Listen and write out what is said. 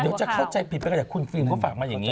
เดี๋ยวจะเข้าใจผิดไปก็ได้คุณฟิล์มเขาฝากมาอย่างนี้